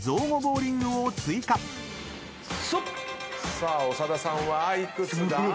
さあ長田さんは幾つだ？